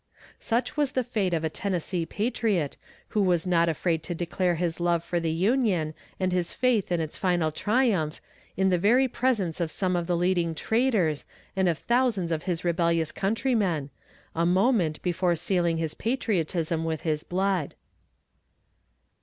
Such was the fate of a Tennessee patriot, who was not afraid to declare his love for the Union, and his faith in its final triumph, in the very presence of some of the leading traitors, and of thousands of his rebellious countrymen, a moment, before sealing his patriotism with his blood.